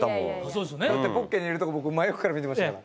だってポッケに入れるところ僕真横から見てましたから。